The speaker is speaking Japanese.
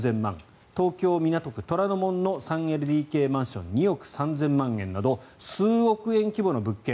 東京・港区虎ノ門の３ＬＤＫマンション２億３０００万円など数億円規模の物件